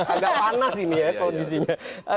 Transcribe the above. agak panas ini ya kondisinya